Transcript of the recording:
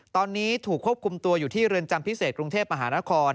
ตอนนี้ถูกควบคุมตัวอยู่ที่เรือนจำพิเศษกรุงเทพมหานคร